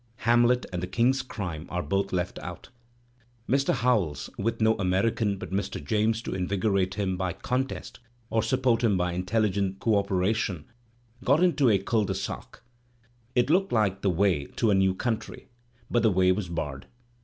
,. Hamlet and the King's crime are both left out. Mr. Howells, with no American but Mr. James to invigo rate him by contest or support him by intelligent co5peration. Digitized by Google HOWELLS 283 got into a ctd de'Sac; it looked like the way to a new country, but the way was barred.